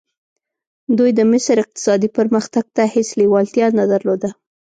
دوی د مصر اقتصادي پرمختګ ته هېڅ لېوالتیا نه درلوده.